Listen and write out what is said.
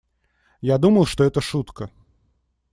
Я думал, что это шутка.